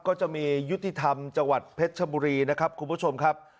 ก็จะมียุติธรรมจังหวัดเพชรชบุรีนะครับคุณผู้ชมครับ